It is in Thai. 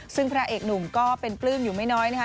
ซึ่งพระเอกหนุ่มก็เป็นปลื้มอยู่ไม่น้อยนะคะ